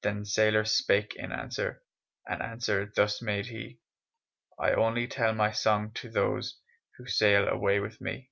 The sailor spake in answer, And answer thus made he; "I only tell my song to those Who sail away with me."